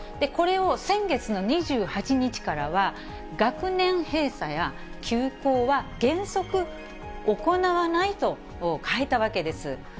これを先月の２８日からは、学年閉鎖や休校は、原則行わないと変えたわけです。